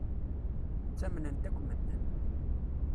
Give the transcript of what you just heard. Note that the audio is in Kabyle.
Ttamnen-t akk medden.